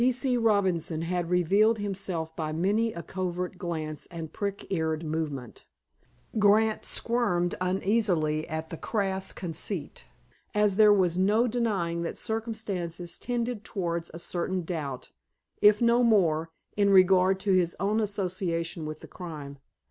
P. C. Robinson had revealed himself by many a covert glance and prick eared movement. Grant squirmed uneasily at the crass conceit, as there was no denying that circumstances tended towards a certain doubt, if no more, in regard to his own association with the crime.